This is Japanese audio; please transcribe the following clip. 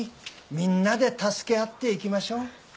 みんなで助け合っていきましょう。